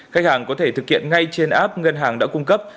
các ngân hàng có thể thực hiện ngay trên app ngân hàng đã cung cấp